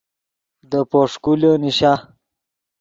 دے پوݰکولے نیشا